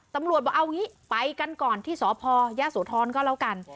ตำรวจบอกเอางี้ไปกันก่อนที่สพยะโสธรก็แล้วกัน